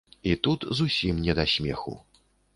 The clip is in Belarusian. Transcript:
І тут зусім не да смеху.